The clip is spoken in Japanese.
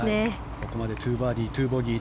ここまで２バーディー、２ボギー。